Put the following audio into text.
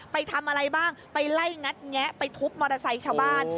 ไปทำอะไรบ้างไปไล่งัดแงะไปทุบมอเตอร์ไซค์ชาวบ้าน